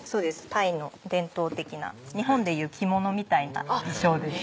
タイの伝統的な日本でいう着物みたいな衣装です